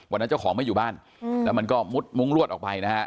เจ้าของไม่อยู่บ้านแล้วมันก็มุดมุ้งลวดออกไปนะฮะ